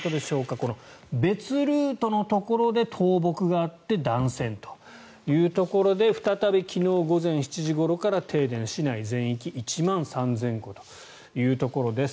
この別ルートのところで倒木があって断線というところで再び昨日午前７時ごろから停電市内全域１万３０００戸というところです。